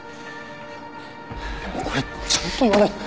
でもこれちゃんと言わ